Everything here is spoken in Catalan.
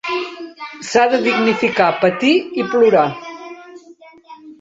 S'ha de dignificar, patir i plorar.